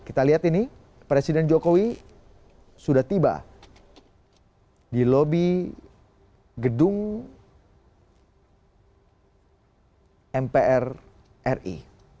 kita lihat ini presiden jokowi sudah tiba di lobi gedung mpr ri